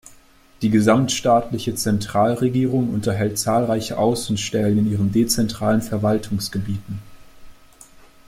Die gesamtstaatliche Zentralregierung unterhält zahlreiche Außenstellen in ihren dezentralen Verwaltungsgebieten.